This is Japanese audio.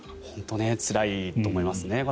本当につらいと思いますね。